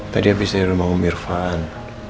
tadi abis dari rumah om irfan